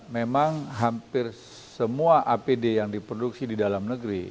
memang hampir semua apd yang diproduksi di dalam negeri